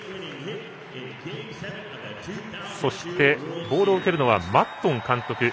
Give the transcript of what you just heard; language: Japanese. そして、ボールを受けるのはマッドン監督。